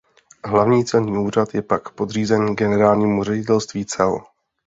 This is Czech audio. Hlavní celní úřad je pak podřízen Generálnímu ředitelství cel.